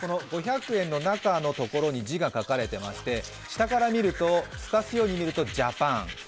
５００円の中のところに字が書かれていまして、すかすように見るとジャパン